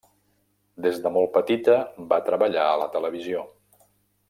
Des de molt petita va treballar a la televisió.